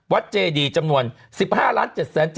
วัดเจดีจำนวน๑๕๗๗๕๒๗๖บาท